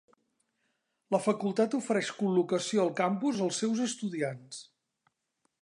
La facultat ofereix col·locació al campus als seus estudiants.